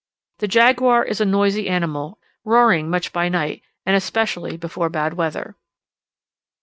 The jaguar is a noisy animal, roaring much by night, and especially before bad weather.